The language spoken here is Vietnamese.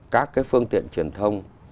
các cái phương tiện truyền thông